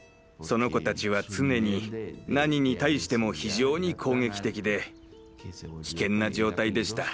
その子たちは常に何に対しても非常に攻撃的で危険な状態でした。